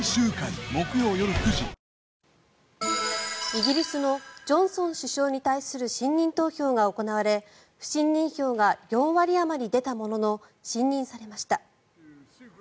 イギリスのジョンソン首相に対する信任投票が行われ不信任票が４割あまり出たものの信任されました。